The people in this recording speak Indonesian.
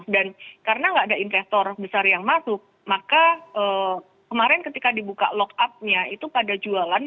dan karena nggak ada investor besar yang masuk maka kemarin ketika dibuka lock up nya itu pada jualan